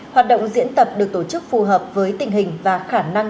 hoạt động diễn tập được tổ chức phù hợp với tình hình và khả năng